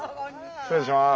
失礼します。